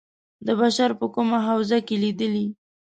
د بشر په کومه حوزه کې لېدلي.